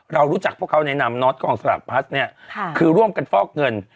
เรารู้จักพวกเขาในนามน็อตกองสลากพลัสเนี่ยคือร่วมกันฟอกเงิน